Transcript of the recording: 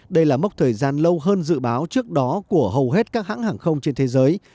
đây là mốc thời gian lâu hơn dự báo trước đó của hầu hết các hãng hàng không trên thế giới